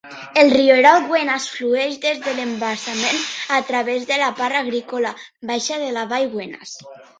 El rierol Wenas flueix des de l'embassament a través de la part agrícola baixa de la vall de Wenas.